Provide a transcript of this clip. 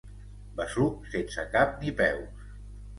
Besuc sense cap ni peus.